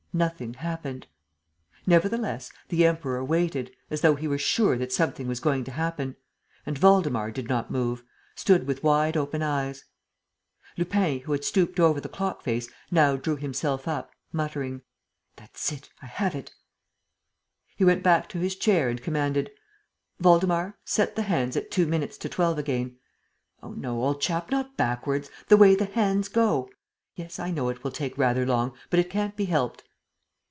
Nothing happened. Nevertheless, the Emperor waited, as though he were sure that something was going to happen. And Waldemar did not move, stood with wide open eyes. Lupin, who had stooped over the clock face, now drew himself up, muttering: "That's it ... I have it. ..." He went back to his chair and commanded: "Waldemar, set the hands at two minutes to twelve again. Oh, no, old chap, not backwards! The way the hands go! ... Yes, I know, it will take rather long ... but it can't be helped."